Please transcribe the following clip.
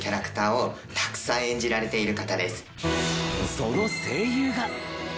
その声優が。